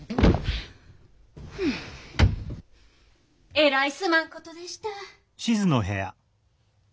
えらいすまんことでした。